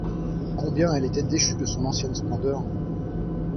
Combien elle était déchue de son ancienne splendeur!